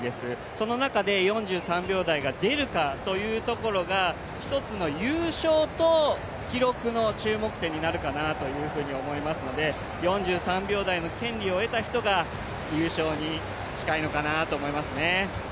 その中で４３秒台が出るかというところがひとつの優勝と記録の注目点になるかなと思いますので４３秒台の権利を得た人が優勝に近いのかなと思いますね。